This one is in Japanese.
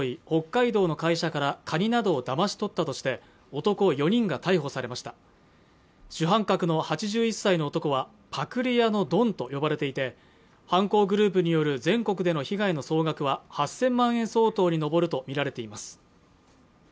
北海道の会社から借りなどをだまし取ったとして男４人が逮捕されました主犯格の８１歳の男はぱくり屋のドンと呼ばれていて犯行グループによる全国での被害の総額は８０００万円相当に上るとみられています